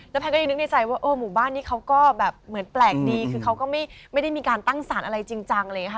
แล้วแพนก็ยังนึกในใจว่าเออหมู่บ้านนี้เค้าก็แบบเหมือนแปลกดีคือเค้าก็ไม่ได้มีการตั้งศาลอะไรจริงจังเลยค่ะ